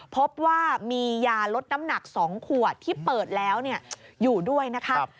พบว่ามียาลดน้ำหนัก๒ขวดที่เปิดแล้วอยู่ด้วยนะครับ